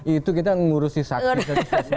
itu kita ngurusin saksi